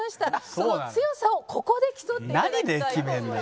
その強さをここで競って頂きたいと思います。